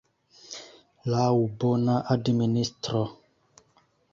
Laŭ bona administro.